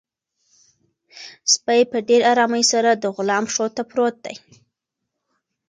سپی په ډېر ارامۍ سره د غلام پښو ته پروت دی.